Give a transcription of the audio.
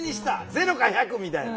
０か１００みたいな。